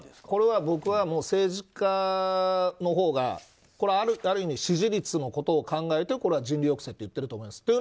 これは、僕は政治家のほうがある意味支持率のことを考えて人流抑制と言ってると思います。